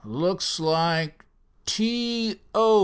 "Looks like T. O."